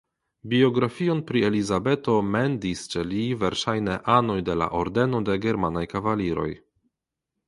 Biografion pri Elizabeto "mendis" ĉe li verŝajne anoj de la Ordeno de germanaj kavaliroj.